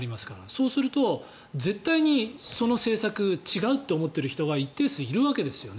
そうすると、絶対にその政策は違うと思っている人が一定数いるわけです。